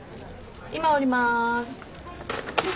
今下ります。